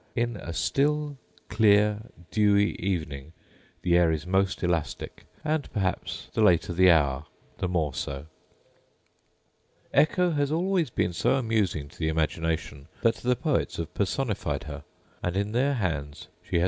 In a still, clear, dewy evening the air is most elastic; and perhaps the later the hour the more so. Echo has always been so amusing to the imagination, that the poets have personified her; and in their hands she has been the occasion of many a beautiful fiction.